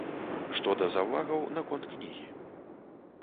Што да заўвагаў наконт кнігі.